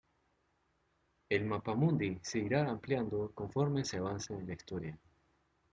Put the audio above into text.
El mapamundi se irá ampliando conforme se avance en la historia.